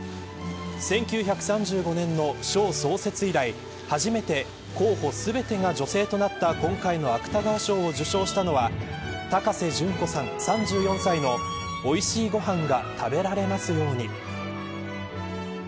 １９３５年の賞創設以来初めて候補全てが女性となった今回の芥川賞を受賞したのは高瀬隼子さん、３４歳のおいしいごはんが食べられますように。